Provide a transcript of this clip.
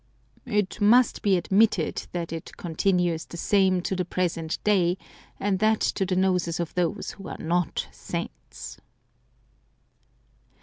It must be admitted that it continues the same to the present day, and that to the noses of those who are not saints.